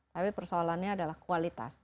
tapi persoalannya adalah kualitas